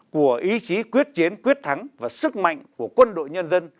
của ý chí quyết chiến quyết thắng và sức mạnh của quân đội nhân dân